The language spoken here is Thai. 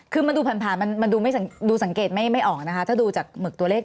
คือมันดูผ่านมันดูสังเกตไม่ออกนะคะถ้าดูจากหมึกตัวเลข